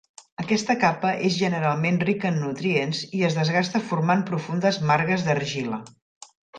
Aquesta capa és generalment rica en nutrients i es desgasta formant profundes margues d'argila.